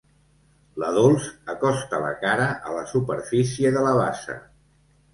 La Dols acosta la cara a la superfície de la bassa.